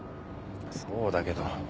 そうだけど。